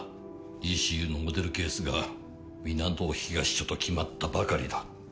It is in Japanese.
ＥＣＵのモデルケースが港東署と決まったばかりだ。